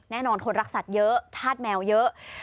แน่นอนคนรักสัตว์เยอะธาตุแมวเยอะ